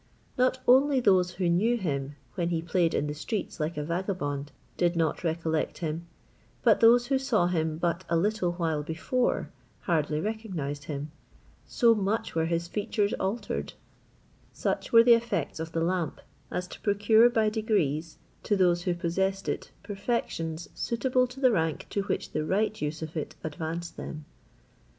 Not only those who knew him when he played in the streets like a vagabond did not recollect him, but those who saw him but a little while before hardly recognised him, so much were his features altered: such were the effects of the lamp, as to procure by degrees to those who possessed it perfections suitable to the rank to which the right use of it advanced them.